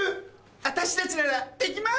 私たちならできます！